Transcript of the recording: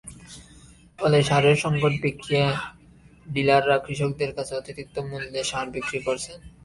ফলে সারের সংকট দেখিয়ে ডিলাররা কৃষকদের কাছে অতিরিক্ত মূল্যে সার বিক্রি করছেন।